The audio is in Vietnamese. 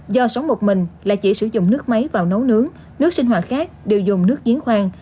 do sống một mình là chỉ sử dụng nước máy vào nấu nướng nước sinh hoạt khác đều dùng nước giếng khoan